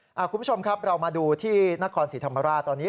คุณผู้ชมครับเรามาดูที่นครศรีธรรมราชตอนนี้